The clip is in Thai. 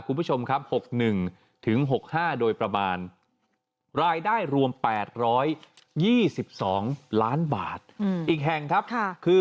คุณผู้ชมครับ๖๑ถึง๖๕โดยประมาณรายได้รวม๘๒๒ล้านบาทอีกแห่งครับคือ